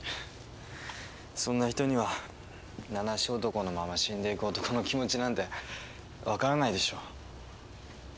そんな人には名無し男のまま死んでいく男の気持ちなんてわからないでしょう。